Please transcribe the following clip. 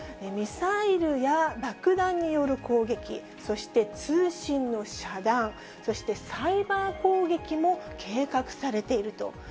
ミサイルや爆弾による攻撃、そして通信の遮断、そしてサイバー攻撃も計画されていると。